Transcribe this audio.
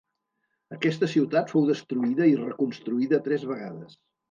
Aquesta ciutat fou destruïda i reconstruïda tres vegades.